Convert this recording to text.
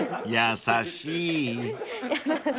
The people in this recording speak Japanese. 優しい。